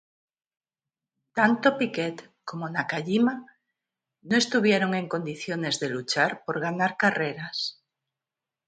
Tanto Piquet como Nakajima no estuvieron en condiciones de luchar por ganar carreras.